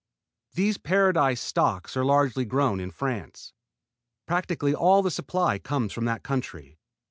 These Paradise stocks are largely grown in France. Practically all the supply comes from that country.